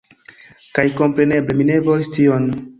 Kaj kompreneble, mi ne volis tion.